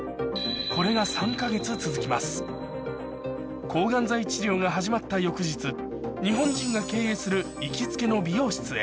これが３か月続きます抗がん剤治療が始まった翌日日本人が経営する行きつけの美容室へ